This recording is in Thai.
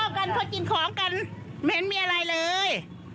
เขาพักเค๊ย์เขากินข้าวกันเขากินของกันเป็นมีอะไรเลย